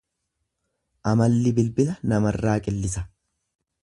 Amalli bilbila namarraa qillisa.